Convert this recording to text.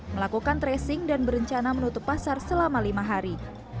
melakukan tracing dan berencana menutup pasar selama lima hari